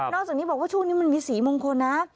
จากนี้บอกว่าช่วงนี้มันมีสีมงคลนะ